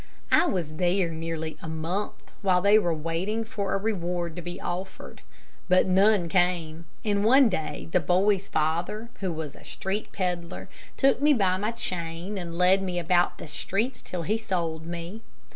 I was there nearly a month, while they were waiting for a reward to be offered. But none came; and one day, the boy's father, who was a street peddler, took me by my chain and led me about the streets till he sold me.